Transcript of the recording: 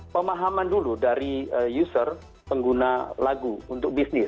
pemahaman dulu dari user pengguna lagu untuk bisnis